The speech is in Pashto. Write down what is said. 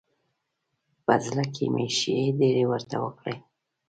په زړه کې مې ښې ډېرې ورته وکړې.